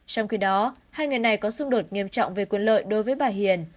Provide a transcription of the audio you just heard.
trong khi đó hai người này có xung đột nghiêm trọng về quyền lợi đối với bà hiền